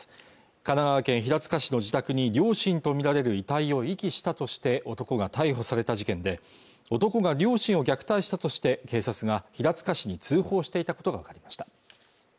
神奈川県平塚市の自宅に両親とみられる遺体を遺棄したとして男が逮捕された事件で男が両親を虐待したとして警察が平塚市に通報していたことが分かりました